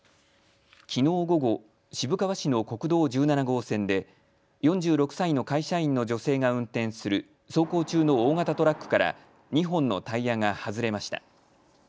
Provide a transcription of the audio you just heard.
きのう午後、渋川市の国道１７号線で４６歳の会社員の女性が運転する走行中の大型トラックから２本のタイヤが外れました。